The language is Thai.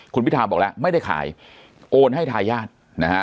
คุณพิทาบอกแล้วไม่ได้ขายโอนให้ทายาทนะฮะ